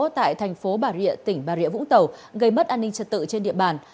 tại thành phố bà rịa tỉnh bà rịa vũng tàu gây mất an ninh trật tự trên địa bàn